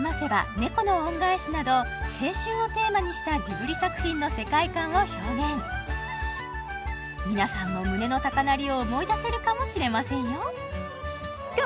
「猫の恩返し」など青春をテーマにしたジブリ作品の世界観を表現皆さんも胸の高鳴りを思い出せるかもしれませんよ